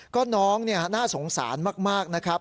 ก็น้องน่าสงสารมากนะครับ